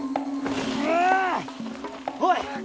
おい！